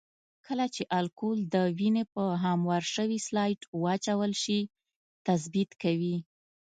کله چې الکول د وینې په هموار شوي سلایډ واچول شي تثبیت کوي.